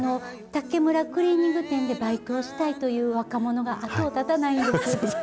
竹村クリーニング店にバイトをしたいという若者が後を絶たないんです。